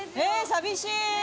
寂しい。